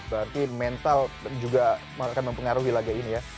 berarti mental juga akan mempengaruhi laga ini ya